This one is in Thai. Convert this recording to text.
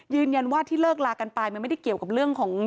ยืนยันว่าที่เลิกลากันไปมันไม่ได้เกี่ยวกับเรื่องของ